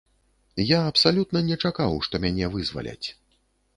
Я абсалютна не чакаў, што мяне вызваляць.